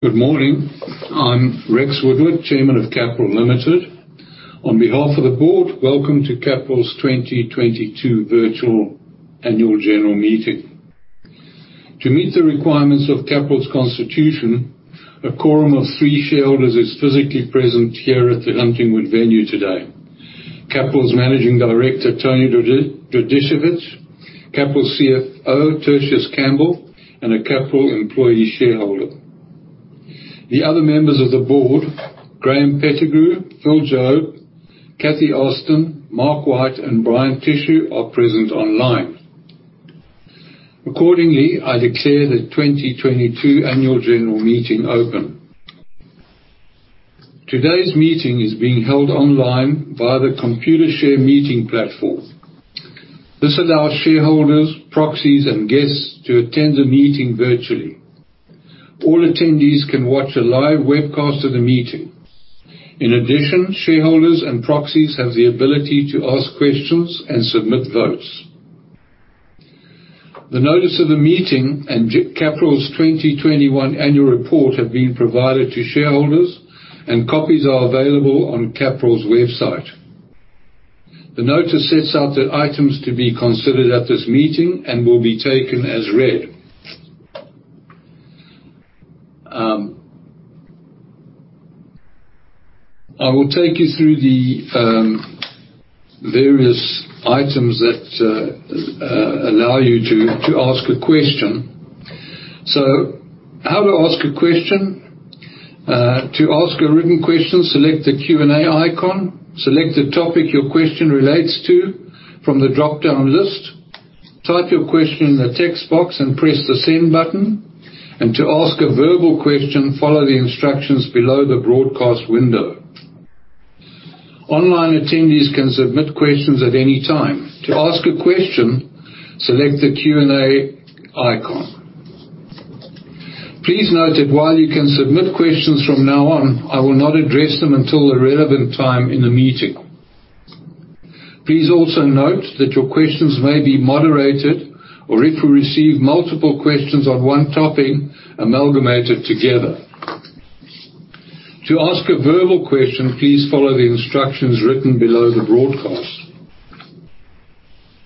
Good morning. I'm Rex Woodward, Chairman of Capral Limited. On behalf of the board, welcome to Capral's 2022 virtual annual general meeting. To meet the requirements of Capral's constitution, a quorum of three shareholders is physically present here at the Huntingwood Venue today. Capral's Managing Director, Tony Dragicevich, Capral CFO, Tertius Campbell, and a Capral employee shareholder. The other members of the board, Graeme Pettigrew, Philip Jobe, Katherine Ostin, Mark White, and Bryan Tischer, are present online. Accordingly, I declare the 2022 annual general meeting open. Today's meeting is being held online via the Computershare meeting platform. This allows shareholders, proxies, and guests to attend the meeting virtually. All attendees can watch a live webcast of the meeting. In addition, shareholders and proxies have the ability to ask questions and submit votes. The notice of the meeting and Capral's 2021 annual report have been provided to shareholders, and copies are available on Capral's website. The notice sets out the items to be considered at this meeting and will be taken as read. I will take you through the various items that allow you to ask a question. How to ask a question. To ask a written question, select the Q&A icon. Select the topic your question relates to from the dropdown list. Type your question in the text box and press the Send button. To ask a verbal question, follow the instructions below the broadcast window. Online attendees can submit questions at any time. To ask a question, select the Q&A icon. Please note that while you can submit questions from now on, I will not address them until the relevant time in the meeting. Please also note that your questions may be moderated, or if we receive multiple questions on one topic, amalgamated together. To ask a verbal question, please follow the instructions written below the broadcast.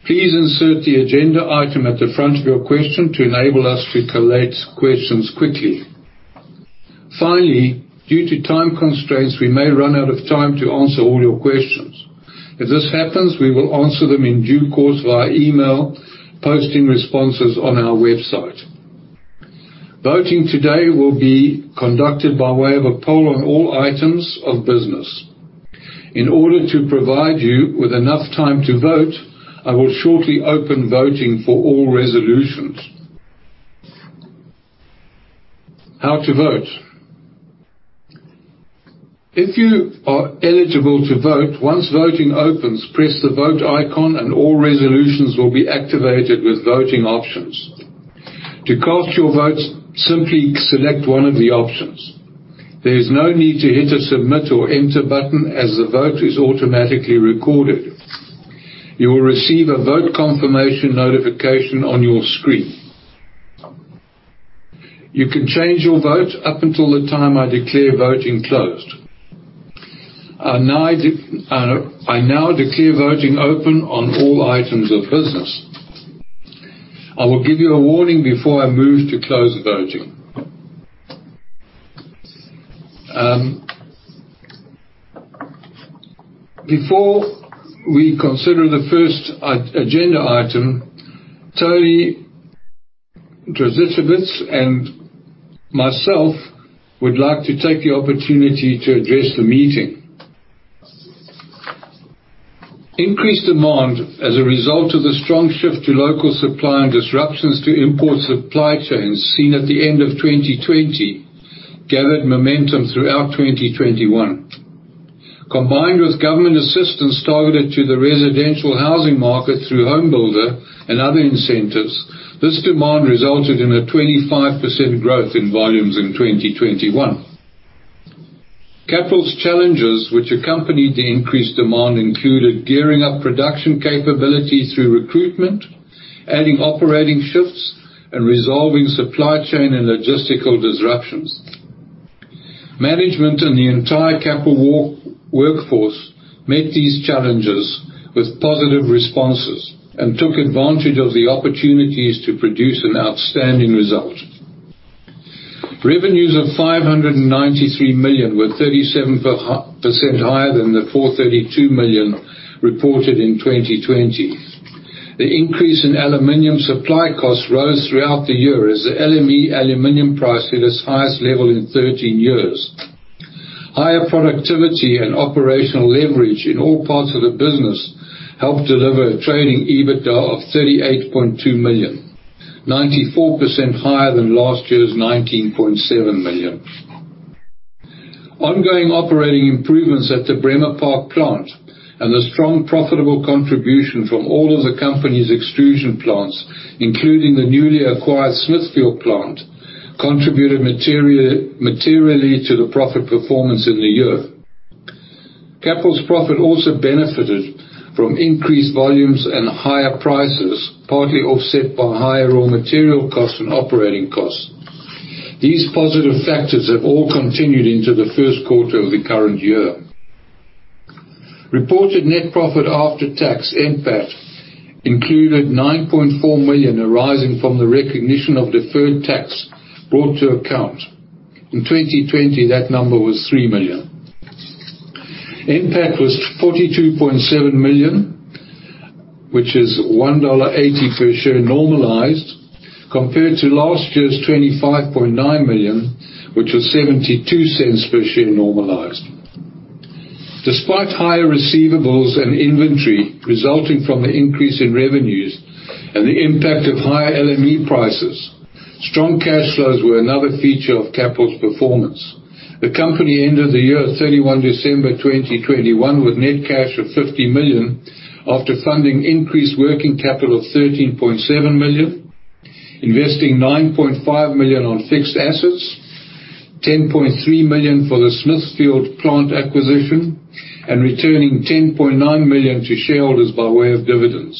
Please insert the agenda item at the front of your question to enable us to collate questions quickly. Finally, due to time constraints, we may run out of time to answer all your questions. If this happens, we will answer them in due course via email, posting responses on our website. Voting today will be conducted by way of a poll on all items of business. In order to provide you with enough time to vote, I will shortly open voting for all resolutions. How to vote. If you are eligible to vote, once voting opens, press the Vote icon and all resolutions will be activated with voting options. To cast your vote, simply select one of the options. There is no need to hit a Submit or Enter button as the vote is automatically recorded. You will receive a vote confirmation notification on your screen. You can change your vote up until the time I declare voting closed. I now declare voting open on all items of business. I will give you a warning before I move to close the voting. Before we consider the first item on the agenda, Tony Dragicevich and myself would like to take the opportunity to address the meeting. Increased demand as a result of the strong shift to local supply and disruptions to import supply chains seen at the end of 2020 gathered momentum throughout 2021. Combined with government assistance targeted to the residential housing market through HomeBuilder and other incentives, this demand resulted in a 25% growth in volumes in 2021. Capral's challenges which accompanied the increased demand included gearing up production capability through recruitment, adding operating shifts and resolving supply chain and logistical disruptions. Management and the entire Capral workforce met these challenges with positive responses and took advantage of the opportunities to produce an outstanding result. Revenues of 593 million were 37% higher than the 432 million reported in 2020. The increase in aluminum supply costs rose throughout the year as the LME aluminum price hit its highest level in 13 years. Higher productivity and operational leverage in all parts of the business helped deliver a trading EBITDA of 38.2 million, 94% higher than last year's 19.7 million. Ongoing operating improvements at the Bremer Park plant and the strong profitable contribution from all of the company's extrusion plants, including the newly acquired Smithfield plant, contributed materially to the profit performance in the year. Capral's profit also benefited from increased volumes and higher prices, partly offset by higher raw material costs and operating costs. These positive factors have all continued into the first quarter of the current year. Reported net profit after tax, NPAT, included 9.4 million arising from the recognition of deferred tax brought to account. In 2020, that number was 3 million. NPAT was 42.7 million, which is AUD 1.80 per share normalized, compared to last year's 25.9 million, which was 0.72 per share normalized. Despite higher receivables and inventory resulting from the increase in revenues and the impact of higher LME prices, strong cash flows were another feature of Capral's performance. The company ended the year 31 December 2021 with net cash of 50 million after funding increased working capital of 13.7 million, investing 9.5 million on fixed assets, 10.3 million for the Smithfield plant acquisition, and returning 10.9 million to shareholders by way of dividends.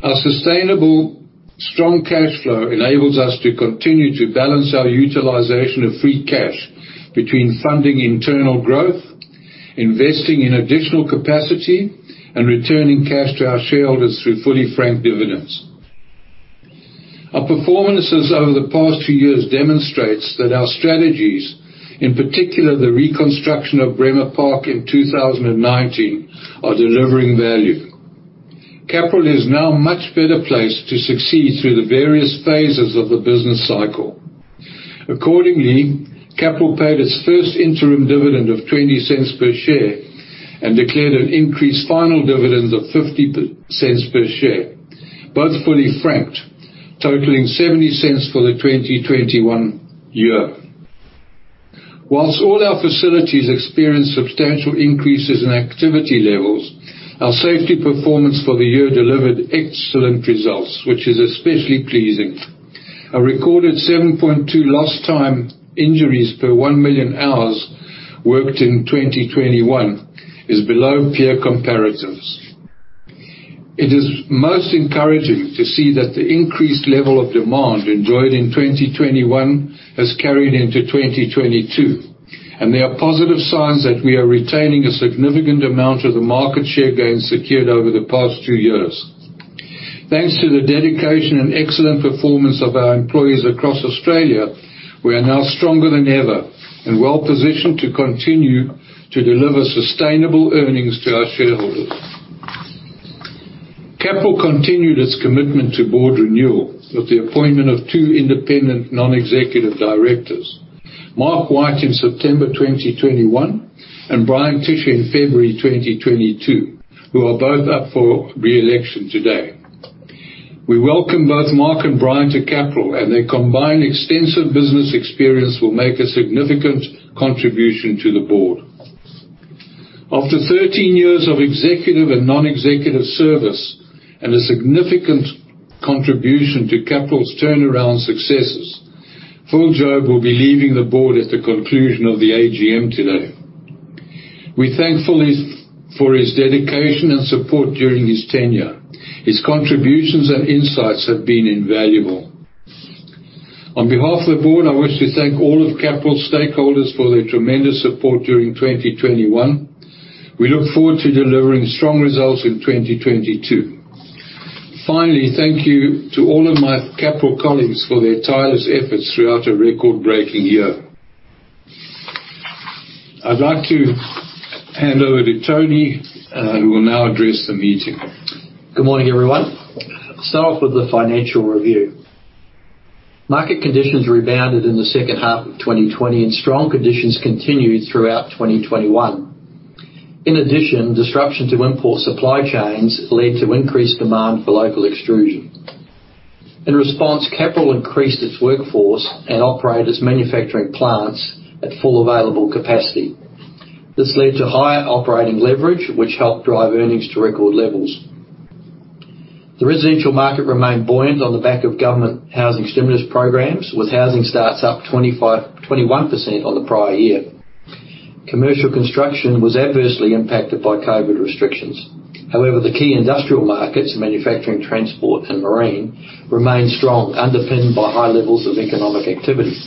Our sustainable strong cash flow enables us to continue to balance our utilization of free cash between funding internal growth, investing in additional capacity, and returning cash to our shareholders through fully franked dividends. Our performance over the past two years demonstrates that our strategies, in particular, the reconstruction of Bremer Park in 2019, are delivering value. Capral is now much better placed to succeed through the various phases of the business cycle. Accordingly, Capral paid its first interim dividend of 0.20 per share and declared an increased final dividend of 0.50 per share, both fully franked, totaling 0.70 for the 2021 year. While all our facilities experienced substantial increases in activity levels, our safety performance for the year delivered excellent results, which is especially pleasing. A recorded 7.2 lost time injuries per 1 million hours worked in 2021 is below peer comparatives. It is most encouraging to see that the increased level of demand enjoyed in 2021 has carried into 2022, and there are positive signs that we are retaining a significant amount of the market share gains secured over the past two years. Thanks to the dedication and excellent performance of our employees across Australia, we are now stronger than ever and well-positioned to continue to deliver sustainable earnings to our shareholders. Capral continued its commitment to board renewal with the appointment of two independent non-executive directors, Mark White in September 2021, and Bryan Tischer in February 2022, who are both up for re-election today. We welcome both Mark and Brian to Capral, and their combined extensive business experience will make a significant contribution to the board. After 13 years of executive and non-executive service and a significant contribution to Capral's turnaround successes, Philip Jobe will be leaving the board at the conclusion of the AGM today. We thank Philip for his dedication and support during his tenure. His contributions and insights have been invaluable. On behalf of the board, I wish to thank all of Capral's stakeholders for their tremendous support during 2021. We look forward to delivering strong results in 2022. Finally, thank you to all of my Capral colleagues for their tireless efforts throughout a record-breaking year. I'd like to hand over to Tony, who will now address the meeting. Good morning, everyone. Start off with the financial review. Market conditions rebounded in the second half of 2020, and strong conditions continued throughout 2021. In addition, disruption to import supply chains led to increased demand for local extrusion. In response, Capral increased its workforce and operated its manufacturing plants at full available capacity. This led to higher operating leverage, which helped drive earnings to record levels. The residential market remained buoyant on the back of government housing stimulus programs, with housing starts up 21% on the prior year. Commercial construction was adversely impacted by COVID restrictions. However, the key industrial markets, manufacturing, transport, and marine, remained strong, underpinned by high levels of economic activity.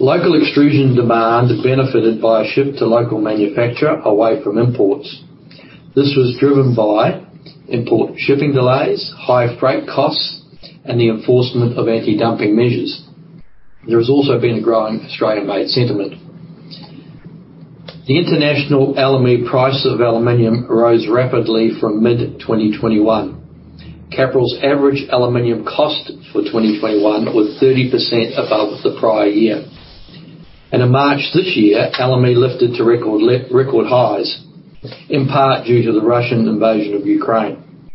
Local extrusion demand benefited by a shift to local manufacturer away from imports. This was driven by import shipping delays, high freight costs, and the enforcement of anti-dumping measures. There has also been a growing Australian Made sentiment. The international LME price of aluminum rose rapidly from mid-2021. Capral's average aluminum cost for 2021 was 30% above the prior year. In March this year, LME lifted to record highs, in part due to the Russian invasion of Ukraine.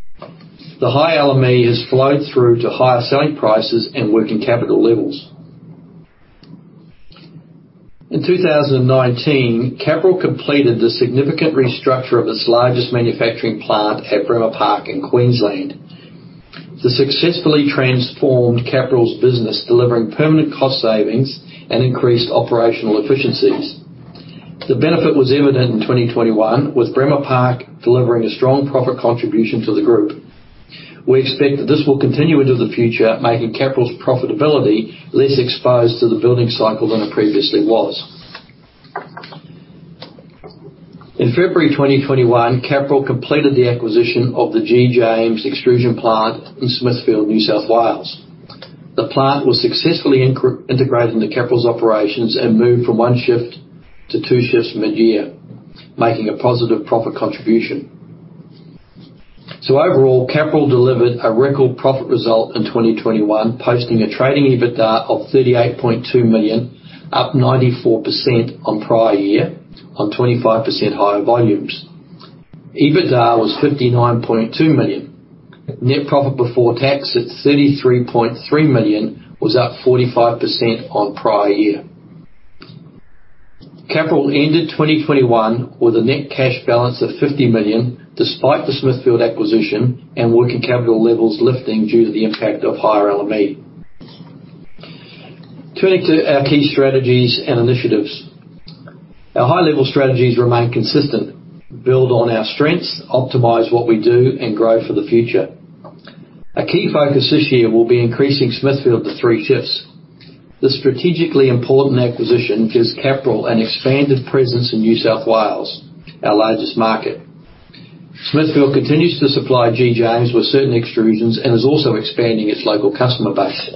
The high LME has flowed through to higher selling prices and working capital levels. In 2019, Capral completed the significant restructure of its largest manufacturing plant at Bremer Park in Queensland. To successfully transform Capral's business, delivering permanent cost savings and increased operational efficiencies. The benefit was evident in 2021, with Bremer Park delivering a strong profit contribution to the group. We expect that this will continue into the future, making Capral's profitability less exposed to the building cycle than it previously was. In February 2021, Capral completed the acquisition of the G. James Extrusion plant in Smithfield, New South Wales. The plant was successfully integrated into Capral's operations and moved from one shift to two shifts mid-year, making a positive profit contribution. Overall, Capral delivered a record profit result in 2021, posting a trading EBITDA of 38.2 million, up 94% on prior year on 25% higher volumes. EBITDA was 59.2 million. Net profit before tax at 33.3 million was up 45% on prior year. Capral ended 2021 with a net cash balance of 50 million, despite the Smithfield acquisition and working capital levels lifting due to the impact of higher LME. Turning to our key strategies and initiatives. Our high-level strategies remain consistent, build on our strengths, optimize what we do, and grow for the future. A key focus this year will be increasing Smithfield to three shifts. This strategically important acquisition gives Capral an expanded presence in New South Wales, our largest market. Smithfield continues to supply G. James with certain extrusions and is also expanding its local customer base.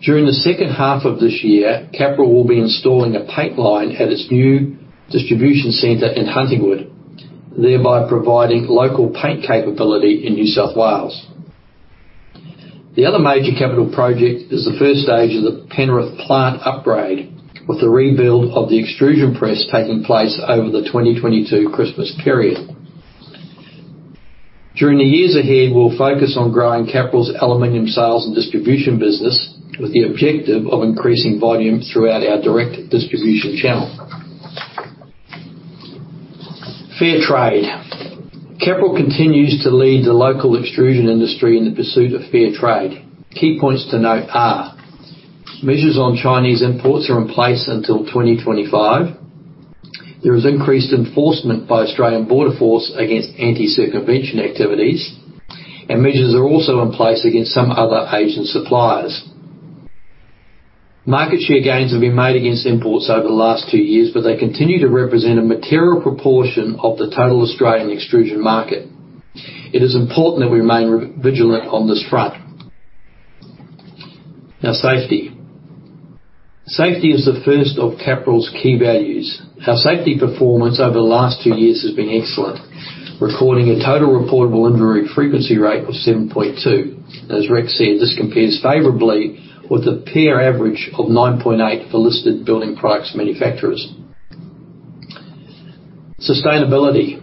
During the second half of this year, Capral will be installing a paint line at its new distribution center in Huntingwood, thereby providing local paint capability in New South Wales. The other major Capral project is the first stage of the Penrith plant upgrade, with the rebuild of the extrusion press taking place over the 2022 Christmas period. During the years ahead, we'll focus on growing Capral's aluminum sales and distribution business with the objective of increasing volume throughout our direct distribution channel. Fair trade. Capral continues to lead the local extrusion industry in the pursuit of fair trade. Key points to note are measures on Chinese imports are in place until 2025. There is increased enforcement by Australian Border Force against anti-circumvention activities, and measures are also in place against some other Asian suppliers. Market share gains have been made against imports over the last two years, but they continue to represent a material proportion of the total Australian extrusion market. It is important that we remain vigilant on this front. Now, safety. Safety is the first of Capral's key values. Our safety performance over the last two years has been excellent, recording a total reportable injury frequency rate of 7.2. As Rex said, this compares favorably with a peer average of 9.8 for listed building products manufacturers. Sustainability.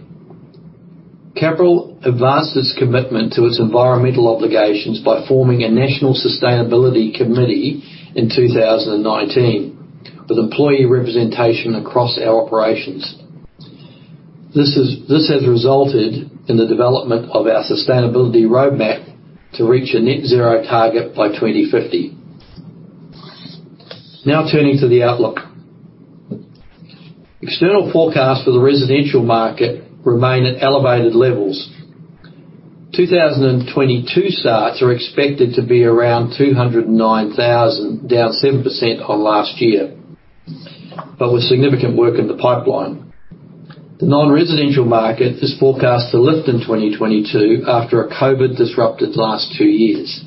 Capral advanced its commitment to its environmental obligations by forming a national sustainability committee in 2019, with employee representation across our operations. This has resulted in the development of our sustainability roadmap to reach a net zero target by 2050. Now turning to the outlook. External forecasts for the residential market remain at elevated levels. 2022 starts are expected to be around 209,000, down 7% on last year, but with significant work in the pipeline. The non-residential market is forecast to lift in 2022 after a COVID-disrupted last two years.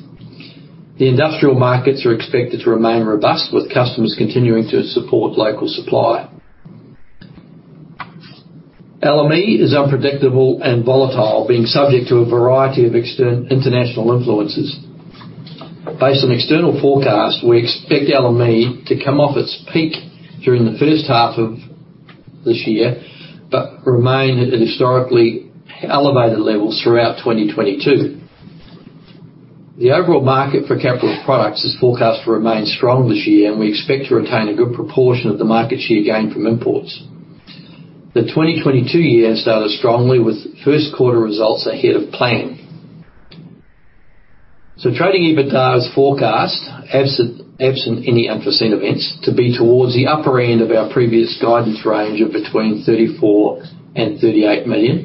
The industrial markets are expected to remain robust, with customers continuing to support local supply. LME is unpredictable and volatile, being subject to a variety of international influences. Based on external forecasts, we expect LME to come off its peak during the first half of this year, but remain at historically elevated levels throughout 2022. The overall market for Capral products is forecast to remain strong this year, and we expect to retain a good proportion of the market share gain from imports. The 2022 year started strongly with first quarter results ahead of plan. Trading EBITDA is forecast, absent any unforeseen events, to be towards the upper end of our previous guidance range of between 34 million and 38 million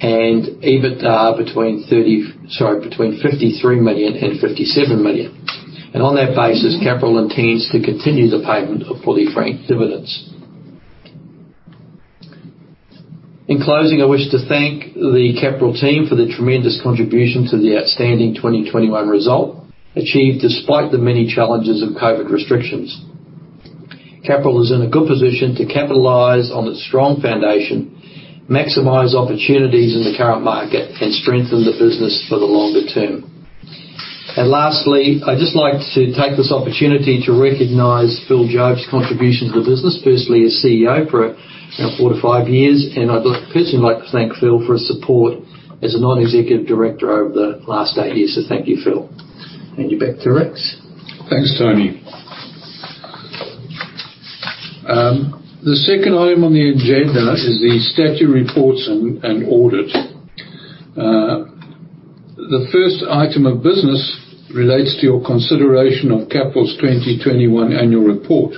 and EBITDA between 53 million and 57 million. On that basis, Capral intends to continue the payment of fully franked dividends. In closing, I wish to thank the Capral team for the tremendous contribution to the outstanding 2021 result, achieved despite the many challenges of COVID restrictions. Capral is in a good position to capitalize on its strong foundation, maximize opportunities in the current market, and strengthen the business for the longer term. Lastly, I'd just like to take this opportunity to recognize Phil Jobe's contribution to the business, firstly as CEO for, you know, four to five years, and personally like to thank Phil for his support as a non-executive director over the last eight years. Thank you, Phil. Hand it back to Rex. Thanks, Tony. The second item on the agenda is the statutory reports and audit. The first item of business relates to your consideration of Capral's 2022 annual report.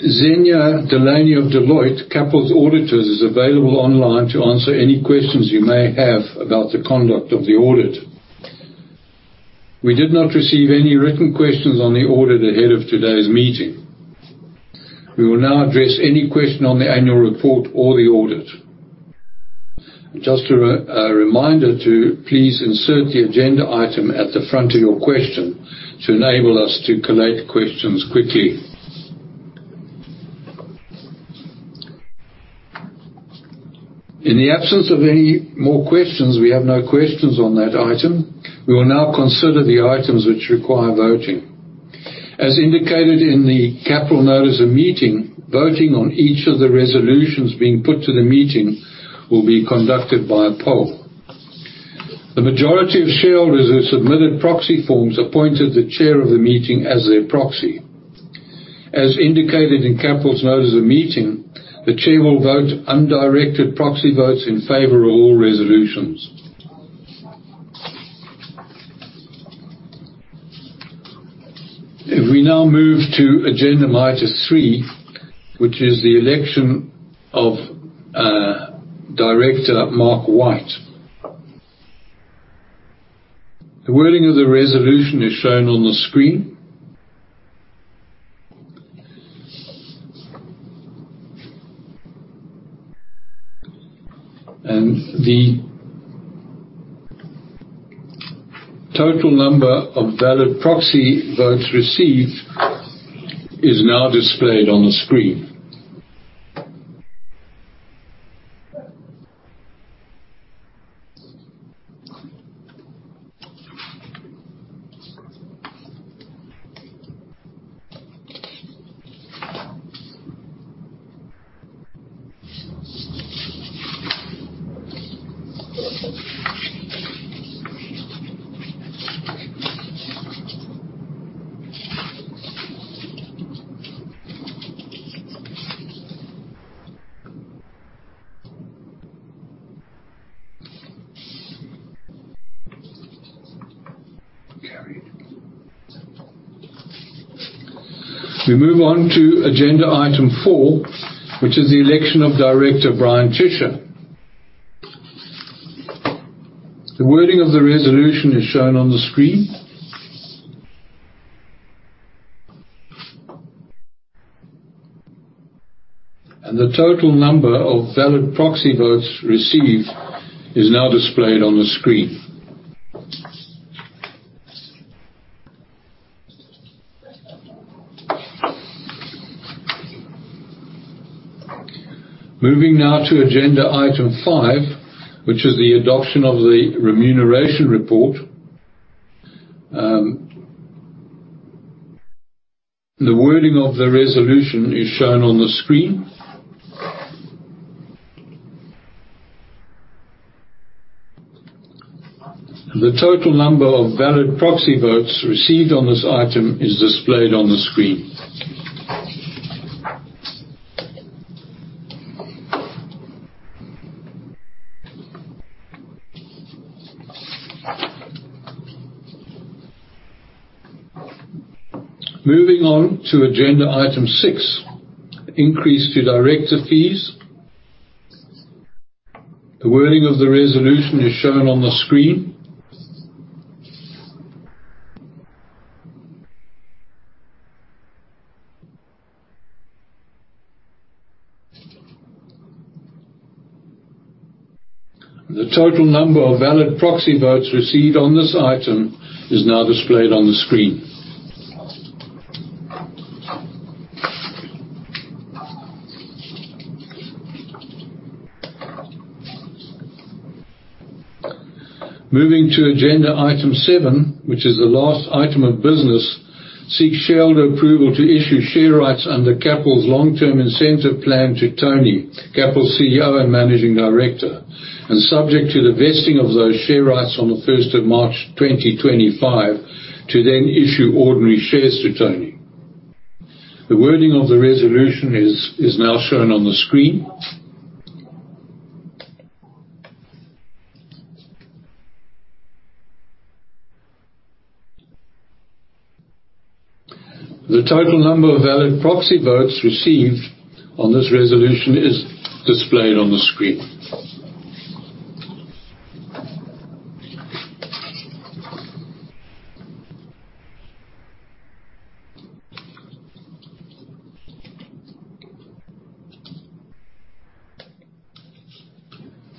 Xenia Delaney of Deloitte, Capral's auditors, is available online to answer any questions you may have about the conduct of the audit. We did not receive any written questions on the audit ahead of today's meeting. We will now address any question on the annual report or the audit. Just a reminder to please insert the agenda item at the front of your question to enable us to collate questions quickly. In the absence of any more questions, we have no questions on that item. We will now consider the items which require voting. As indicated in the Capral notice of meeting, voting on each of the resolutions being put to the meeting will be conducted by a poll. The majority of shareholders who submitted proxy forms appointed the chair of the meeting as their proxy. As indicated in Capral's notice of meeting, the chair will vote undirected proxy votes in favor of all resolutions. If we now move to agenda item three, which is the election of Director Mark White. The wording of the resolution is shown on the screen. The total number of valid proxy votes received is now displayed on the screen. Carried. We move on to agenda item four, which is the election of Director Bryan Tischer. The wording of the resolution is shown on the screen. The total number of valid proxy votes received is now displayed on the screen. Moving now to agenda item five, which is the adoption of the remuneration report. The wording of the resolution is shown on the screen. The total number of valid proxy votes received on this item is displayed on the screen. Moving on to agenda item six, increase to director fees. The wording of the resolution is shown on the screen. The total number of valid proxy votes received on this item is now displayed on the screen. Moving to agenda item seven, which is the last item of business, seek shareholder approval to issue share rights under Capral's Long-Term Incentive Plan to Tony, Capral's CEO and Managing Director, and subject to the vesting of those share rights on the first of March 2025 to then issue ordinary shares to Tony. The wording of the resolution is now shown on the screen. The total number of valid proxy votes received on this resolution is displayed on the screen.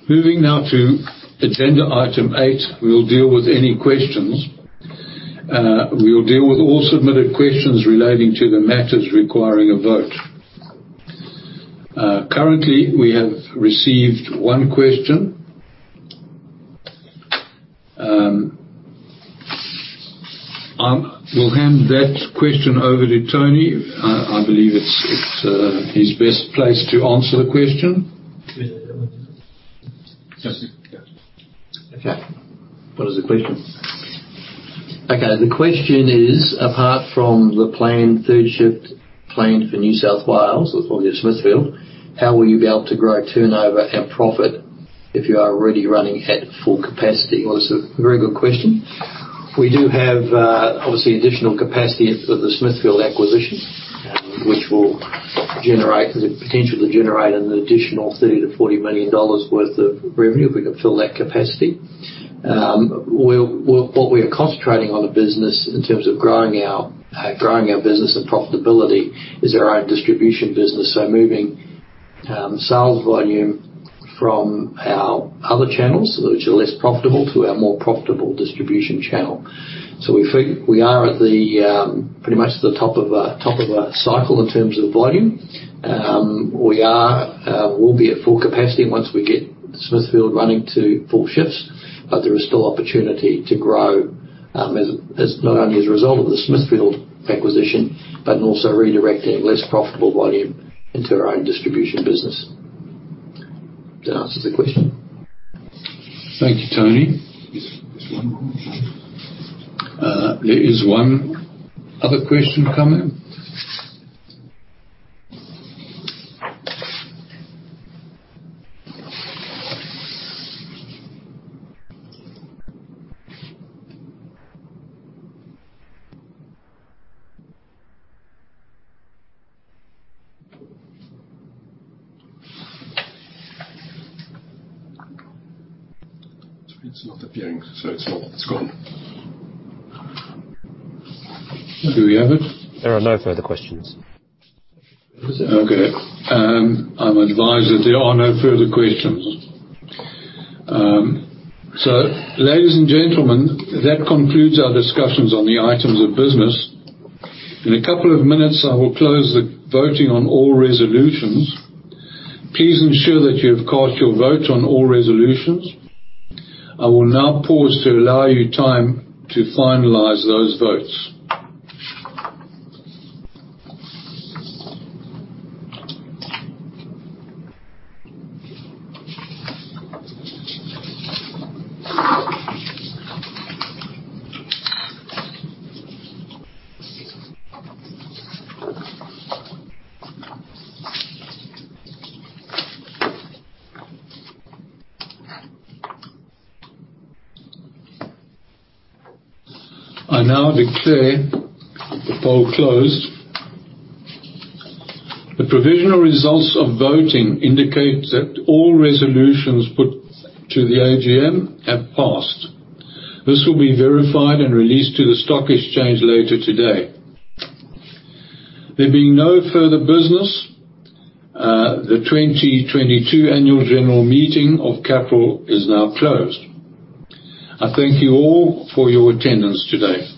Moving now to agenda item eight, we'll deal with any questions. We will deal with all submitted questions relating to the matters requiring a vote. Currently, we have received one question. I will hand that question over to Tony. I believe he's best placed to answer the question. Yes. Okay. What is the question? Okay, the question is, apart from the planned third shift for New South Wales, obviously Smithfield, how will you be able to grow turnover and profit if you are already running at full capacity? Well, it's a very good question. We do have obviously additional capacity at the Smithfield acquisition, which will potentially generate an additional 30 million-40 million dollars worth of revenue if we can fill that capacity. What we are concentrating on the business in terms of growing our business and profitability is our own distribution business. Moving sales volume from our other channels which are less profitable to our more profitable distribution channel. We feel we are at pretty much the top of a cycle in terms of volume. We'll be at full capacity once we get Smithfield running to full shifts. there is still opportunity to grow, as not only as a result of the Smithfield acquisition, but also redirecting less profitable volume into our own distribution business. Does that answer the question? Thank you, Tony. There is one other question coming. It's not appearing, so it's not. It's gone. Do we have it? There are no further questions. Okay. I'm advised that there are no further questions. So ladies and gentlemen, that concludes our discussions on the items of business. In a couple of minutes, I will close the voting on all resolutions. Please ensure that you have cast your vote on all resolutions. I will now pause to allow you time to finalize those votes. I now declare the poll closed. The provisional results of voting indicate that all resolutions put to the AGM have passed. This will be verified and released to the stock exchange later today. There being no further business, the 2022 annual general meeting of Capral is now closed. I thank you all for your attendance today.